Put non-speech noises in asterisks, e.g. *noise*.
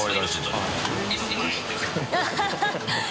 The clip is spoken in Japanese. ハハハ *laughs*